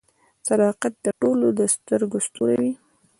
• صداقت د ټولو د سترګو ستوری وي.